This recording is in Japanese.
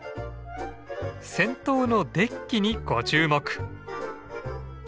先頭のデッキにご注目！